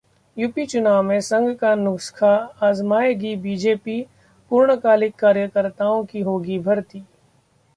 UP चुनाव में संघ का नुस्खा आजमाएगी बीजेपी, पूर्णकालिक कार्यकर्ताओं की होगी भर्ती